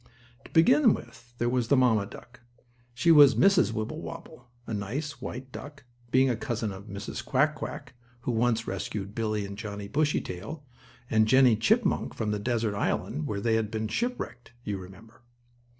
To begin with there was the mamma duck. She was Mrs. Wibblewobble, a nice, white duck, being a cousin to Mrs. Quack Quack, who once rescued Billie and Johnnie Bushytail, and Jennie Chipmunk from the desert island where they had been shipwrecked, you remember.